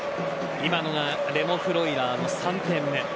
今のがレモ・フロイラーの３点目。